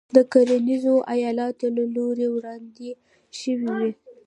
د کرنیزو ایالتونو له لوري وړاندې شوې وې.